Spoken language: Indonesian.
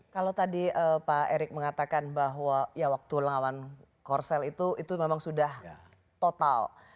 kalau tadi pak erick mengatakan bahwa ya waktu lawan korsel itu itu memang sudah total